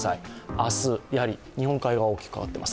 明日、やはり日本海側が大きく変わっています。